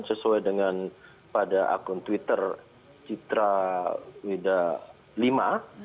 sesuai dengan pada akun twitter citra wida v